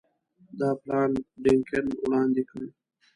دا پلان ډنکن وړاندي کړ.